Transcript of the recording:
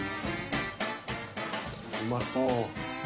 うまそう。